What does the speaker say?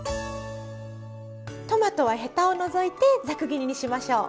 トマトはヘタを除いてざく切りにしましょう。